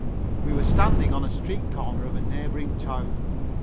_ We were standing on a street corner of a neighboring town.